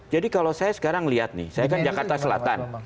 jadi kalau saya sekarang lihat nih saya kan jakarta selatan